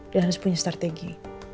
dan harus punya strategi